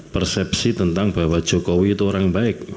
persepsi tentang bahwa jokowi itu orang baik